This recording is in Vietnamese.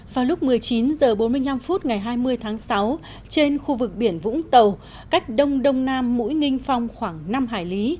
vào lúc một mươi chín h bốn mươi năm phút ngày hai mươi tháng sáu trên khu vực biển vũng tàu cách đông đông nam mũi nginh phong khoảng năm hải lý